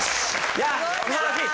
いや素晴らしい！